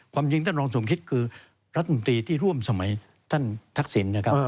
ความจริงท่านรองสมคิดคือรัฐมนตรีที่ร่วมสมัยท่านทักษิณนะครับ